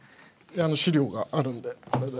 資料があるんでこれで。